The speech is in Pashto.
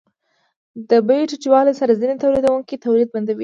د بیې ټیټوالي سره ځینې تولیدونکي تولید بندوي